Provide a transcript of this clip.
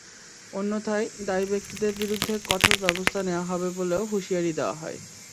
অন্যথায় দায়ী ব্যক্তিদের বিরুদ্ধে কঠোর ব্যবস্থা নেওয়া হবে বলেও হুঁশিয়ারি দেওয়া হয়।